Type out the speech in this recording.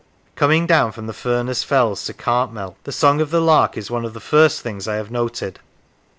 Coming down from the Furness Fells to Cartmel, the song of the lark is one of the first things I have noted.